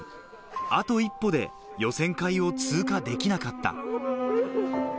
あと一歩で予選会を通過できなかった。